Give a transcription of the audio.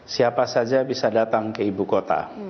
siapa saja bisa datang ke ibu kota